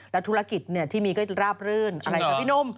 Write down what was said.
แล้วธุรกิจที่มีก็ราบรื่นอะไรกับพี่หนุ่ม